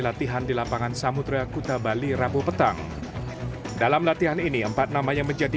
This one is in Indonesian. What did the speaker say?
latihan di lapangan samudera kuta bali rabu petang dalam latihan ini empat namanya menjadi